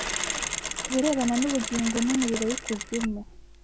Ku birebana n’ubugingo n’umuriro w’ikuzimu